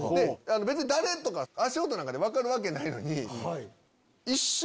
誰とか足音なんかで分かるわけないのに。